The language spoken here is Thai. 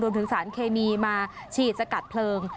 โดนถึงสารเคมีมาฉีดสกัดเปลือง